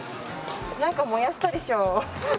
なんか燃やしたでしょ。